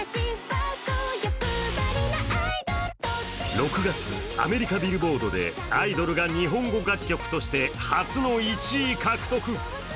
６月、アメリカ・Ｂｉｌｌｂｏａｒｄで「アイドル」が日本語楽曲として初の１位獲得。